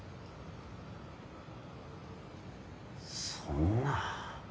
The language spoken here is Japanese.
そんな。